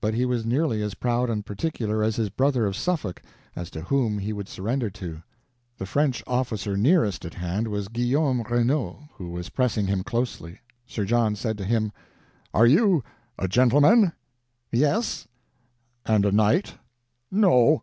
But he was nearly as proud and particular as his brother of Suffolk as to whom he would surrender to. The French officer nearest at hand was Guillaume Renault, who was pressing him closely. Sir John said to him: "Are you a gentleman?" "Yes." "And a knight?" "No."